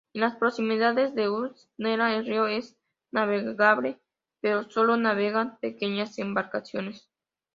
En las proximidades de Ust-Nera el río es navegable pero solo navegan pequeñas embarcaciones.